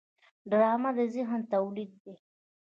ډرامه د ذهن تولید دی